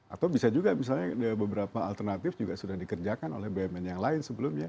atau bisa juga misalnya beberapa alternatif juga sudah dikerjakan oleh bumn yang lain sebelumnya